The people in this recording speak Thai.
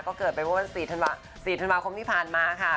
ก็เกิดไปเมื่อวัน๔ธันวาคมที่ผ่านมาค่ะ